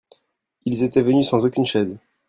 Ils étaient venus sans aucune chaise.